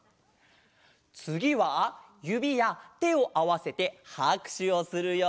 つぎはゆびやてをあわせてはくしゅをするよ！